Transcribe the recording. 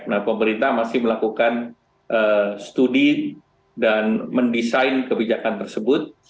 nah pemerintah masih melakukan studi dan mendesain kebijakan tersebut